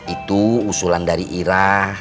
itu usulan dari irah